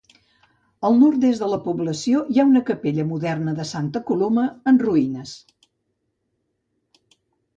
Al nord-est de la població hi ha la capella moderna de Santa Coloma, en ruïnes.